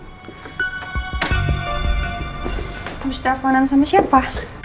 habis telfonan sama siapa